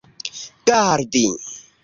gardi